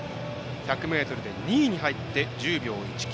１００ｍで２位に入って１０秒１９。